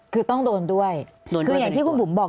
คือต้องโดนด้วยคืออย่างที่คุณบุ๋มบอก